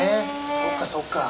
そうかそうか。